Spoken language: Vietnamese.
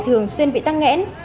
thường xuyên bị tăng nghẽn